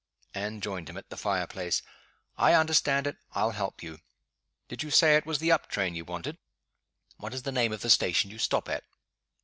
Anne joined him at the fire place. "I understand it I'll help you. Did you say it was the up train you wanted?" "What is the name of the station you stop at?"